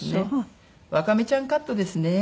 ワカメちゃんカットですね。